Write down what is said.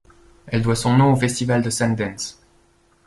Elle doit son nom au festival de Sundance.